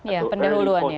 ya pendeluluan ya